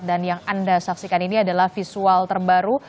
dan yang anda saksikan ini adalah visual terbaru